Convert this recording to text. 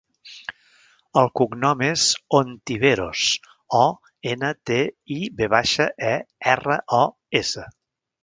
El cognom és Ontiveros: o, ena, te, i, ve baixa, e, erra, o, essa.